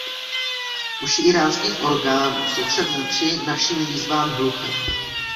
Uši íránských orgánů jsou však vůči našim výzvám hluché.